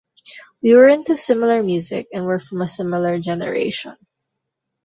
We were into similar music and were from a similar generation.